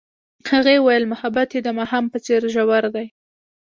هغې وویل محبت یې د ماښام په څېر ژور دی.